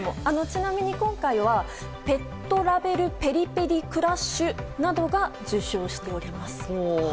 ちなみに今回はペットラベルペリペリクラッシュなどが受賞しております。